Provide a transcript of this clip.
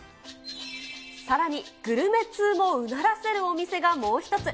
さらに、グルメ通もうならせるお店がもう一つ。